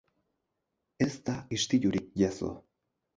Ez da istilurik jazo.